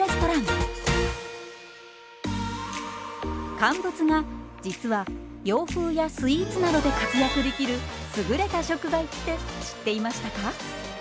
乾物が実は洋風やスイーツなどで活躍できる優れた食材って知っていましたか？